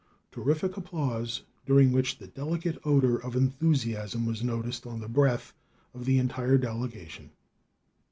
[Terrific applause, during which the delicate odor of enthusiasm was noticed on the breath of the entire delegation.